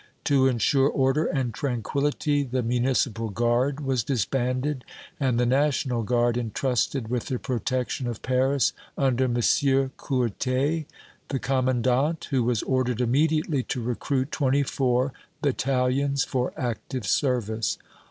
To insure order and tranquillity, the Municipal Guard was disbanded, and the National Guard entrusted with the protection of Paris under M. Courtais, the commandant, who was ordered immediately to recruit twenty four battalions for active service.